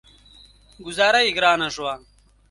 ګوذاره يې ګرانه شوه.